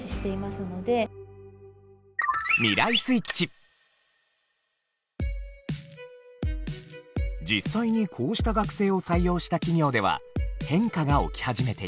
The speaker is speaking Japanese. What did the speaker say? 実際にこうした学生を採用した企業では変化が起き始めています。